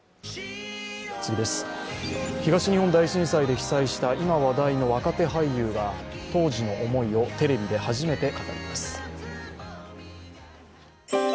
東日本大震災で被災した、今、話題の若手俳優が当時の思いをテレビで初めて語ります。